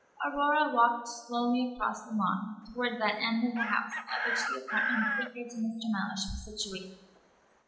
Aurora walked slowly across the lawn toward that end of the house at which the apartment sacred to Mr. Mellish was situated.